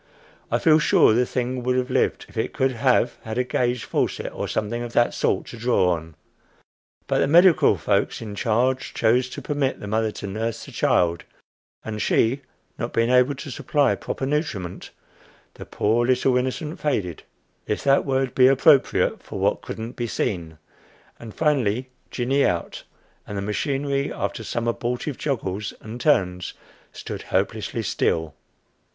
I feel sure the thing would have lived if it could have had a gauge faucet or something of that sort to draw on. But the medical folks in charge chose to permit the mother to nurse the child, and she not being able to supply proper nutriment, the poor little innocent faded if that word be appropriate for what couldn't be seen, and finally "gin eout;" and the machinery, after some abortive joggles and turns, stood hopelessly still.